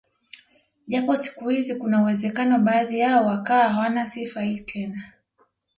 Japo siku hizi kuna uwezekano baadhi yao wakawa hawana sifa hii tena